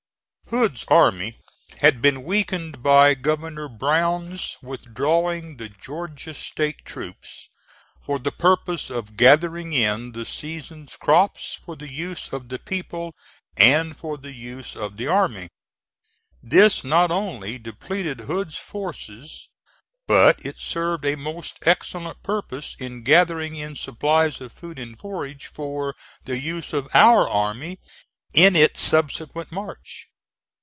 Hood's army had been weakened by Governor Brown's withdrawing the Georgia State troops for the purpose of gathering in the season's crops for the use of the people and for the use of the army. This not only depleted Hood's forces but it served a most excellent purpose in gathering in supplies of food and forage for the use of our army in its subsequent march.